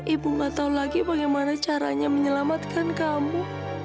ibu gak tahu lagi bagaimana caranya menyelamatkan kamu